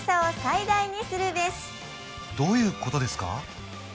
どういうことですか？